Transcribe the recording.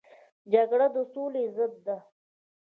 جګړه د سولې ضد ده